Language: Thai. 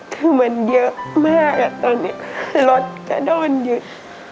คือมันเยอะมากตอนนี้รถก็โดนยึด